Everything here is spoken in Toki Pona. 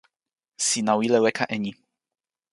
sina wile weka e ni.